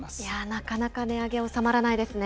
なかなか値上げ、収まらないですね。